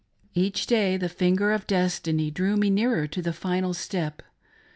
53 Each day the finger of destiny drew me nearer to the final step.